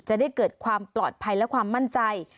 จะได้เกิดความปลอดภัยและความมั่นใจ